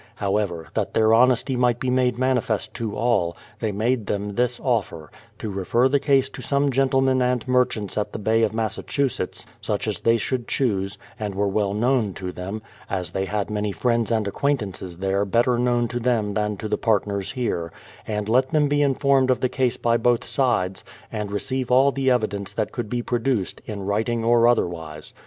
However, that their honesty might be made manifest to all, they made them this offer: to refer the case to some gentlemen and merchants at the Bay of Massachusetts, such as they should choose, and were well known to them, as they had many friends and acquaint ances there better known to them than to the partners here ; and let them be informed of the case by both sides, and re ceive all the evidence that could be produced, in writing or otherwise.